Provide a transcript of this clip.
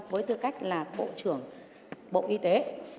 với tư cách là bộ trưởng bộ y tế